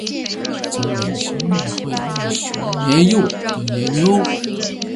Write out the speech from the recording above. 此外熊也会猎食年幼的野牛。